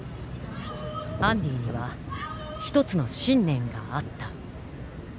アンディには一つの信念があった。